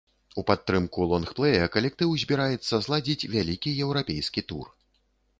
У падтрымку лонгплэя калектыў збіраецца зладзіць вялікі еўрапейскі тур.